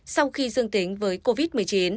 sau khi dương tính với covid một mươi chín